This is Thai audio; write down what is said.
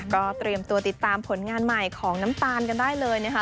ก็เตรียมตัวติดตามผลงานใหม่ของน้ำตาลกันได้เลยนะคะ